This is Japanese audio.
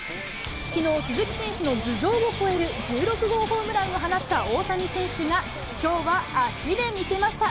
きのう、鈴木選手の頭上を越える１６号ホームランを放った大谷選手が、きょうは足で見せました。